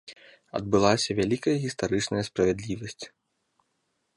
Адбылася вялікая гістарычная справядлівасць.